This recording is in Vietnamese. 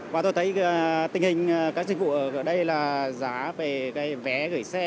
và tôi thấy tình hình các dịch vụ ở đây là giá về cái vé gửi xe